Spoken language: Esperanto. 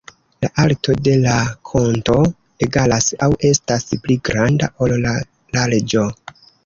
La alto de la konko egalas aŭ estas pli granda ol la larĝo.